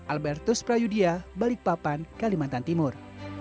albertus prayudya balikpapan kalimantan timur